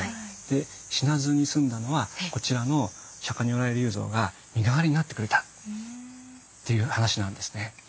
で死なずに済んだのはこちらの釈如来立像が身代わりになってくれたっていう話なんですね。